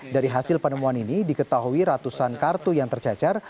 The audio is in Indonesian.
dari hasil penemuan ini diketahui ratusan kartu yang tercecar